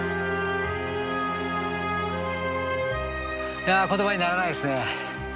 いや言葉にならないですね。